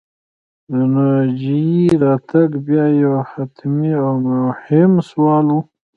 د ناجيې راتګ بیا یو حتمي او مهم سوال و